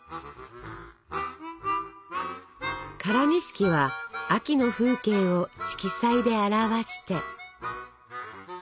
唐錦は秋の風景を色彩で表して。